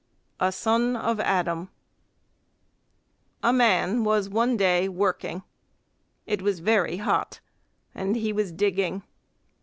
A Son of Adam A man was one day working. It was very hot, and he was digging.